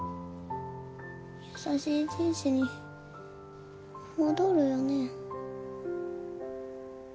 優しいじいじに戻るよね？